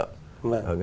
ở ngân hàng